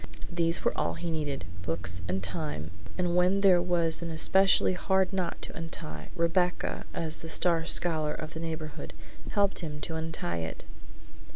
These were all he needed, books and time, and when there was an especially hard knot to untie, Rebecca, as the star scholar of the neighborhood, helped him to untie it.